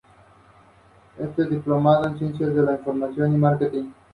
En donde mejor se ha puesto en evidencia ha sido en los sueños.